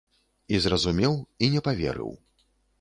І зразумеў і не паверыў.